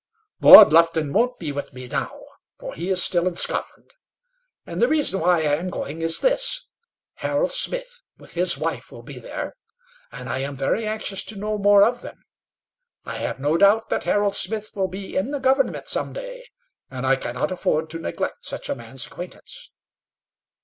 "Lord Lufton won't be with me now, for he is still in Scotland. And the reason why I am going is this: Harold Smith and his wife will be there, and I am very anxious to know more of them. I have no doubt that Harold Smith will be in the government some day, and I cannot afford to neglect such a man's acquaintance."